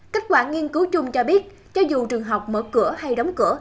kết quả nghiên cứu chung cho biết cho dù trường học mở cửa hay đóng cửa